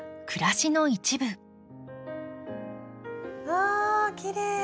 わきれい！